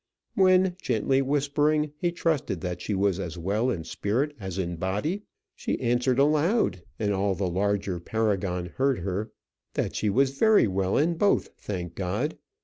When, gently whispering, he trusted that she was as well in spirit as in body, she answered aloud and all the larger Paragon heard her that she was very well in both, thank God.